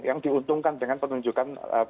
yang diuntungkan dengan penunjukan